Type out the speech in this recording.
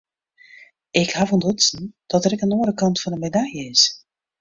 Ik haw ûntdutsen dat der ek in oare kant fan de medalje is.